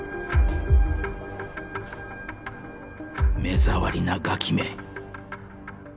目障りなガキめ